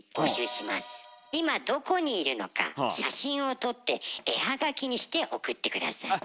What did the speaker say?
今どこにいるのか写真を撮って絵はがきにして送って下さい。